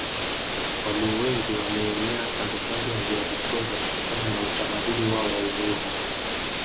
Waluo wengi wameenea kandokando ya Ziwa Viktoria kutokana na utamaduni wao wa uvuvi